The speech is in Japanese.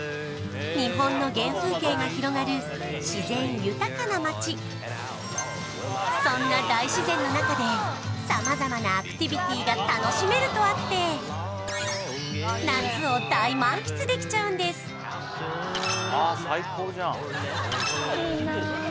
日本の原風景が広がる自然豊かな町そんな大自然の中で様々なアクティビティが楽しめるとあって夏を大満喫できちゃうんですなんですよね